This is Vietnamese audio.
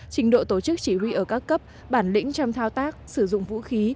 trình độ tổ chức chỉ huy ở các cấp bản lĩnh trong thao tác sử dụng vũ khí